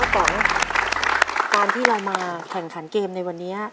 ป๋องการที่เรามาแข่งขันเกมในวันนี้